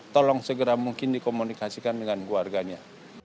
tolong segera mungkin dikomunikasikan dengan keluarganya